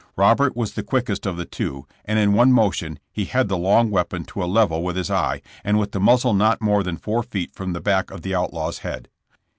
Robert was the quickest of the two, and in one motion he had the long weapon to a level with his eye, and with the muzzle not more than four feet from the back of the outlaw's head.